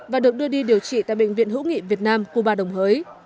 và được đưa đi điều trị tại bệnh viện hữu nghị việt nam khu ba đồng hới